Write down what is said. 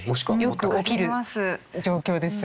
よく起きる状況ですそれ。